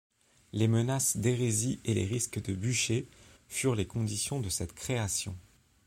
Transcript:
Les menaces d’hérésie et le risque du bûcher, furent les conditions de cette création.